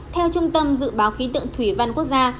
theo trung tâm dự báo khí tượng thủy văn quốc gia